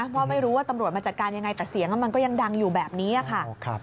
เพราะไม่รู้ว่าตำรวจมาจัดการยังไงแต่เสียงมันก็ยังดังอยู่แบบนี้ค่ะ